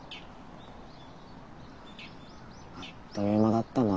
あっという間だったな。